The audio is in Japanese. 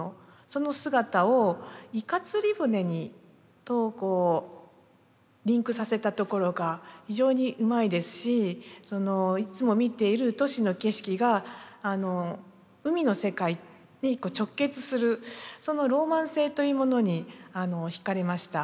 その姿をイカ釣り船とリンクさせたところが非常にうまいですしいつも見ている都市の景色が海の世界に直結するその浪漫性というものに引かれました。